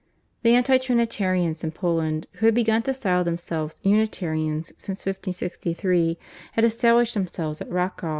The anti Trinitarians in Poland, who had begun to style themselves Unitarians since 1563, had established themselves at Racow.